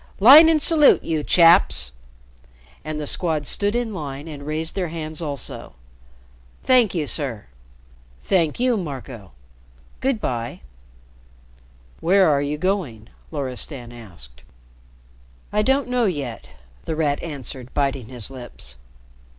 "Line and salute, you chaps!" And the Squad stood in line and raised their hands also. "Thank you, sir. Thank you, Marco. Good by." "Where are you going?" Loristan asked. "I don't know yet," The Rat answered, biting his lips.